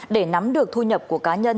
để nắm được thu nhập của cá nhân